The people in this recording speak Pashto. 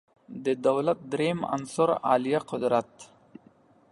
د دولت دریم عنصر عالیه قدرت